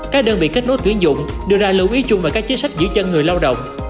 các đơn vị kết nối tuyển dụng đưa ra lưu ý chung về các chính sách giữ chân người lao động